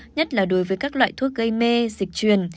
nhất là đối với các loại thuốc gây mê dịch truyền